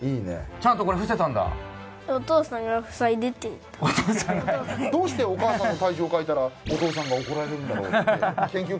ちゃんとこれ伏せたんだどうしてお母さんの体重を書いたらお父さんが怒られるんだろうって研究